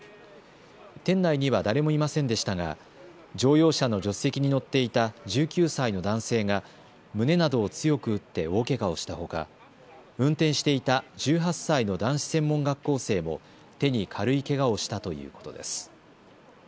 店内には誰もいませんでしたが乗用車の助手席に乗っていた１９歳の男性が胸などを強く打って大けがをしたほか運転していた１８歳の男子専門学校生も手に軽いけがをしたということです。